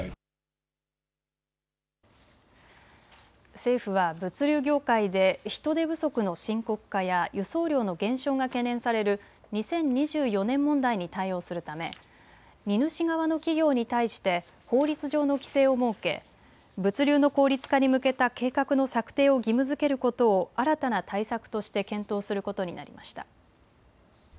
政府は物流業界で人手不足の深刻化や輸送量の減少が懸念される２０２４年問題に対応するため荷主側の企業に対して法律上の規制を設け物流の効率化に向けた計画の策定を義務づけることを新たな対策として検討することになりました。